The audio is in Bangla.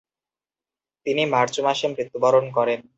তিনি মার্চ মাসে মৃত্যুবরণ করেন।